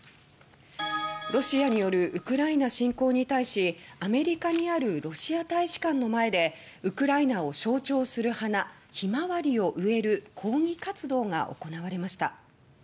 ロシアによるウクライナ侵攻に対しアメリカにあるロシア大使館の前でウクライナを象徴する花ヒマワリを植える抗議活動が行われました。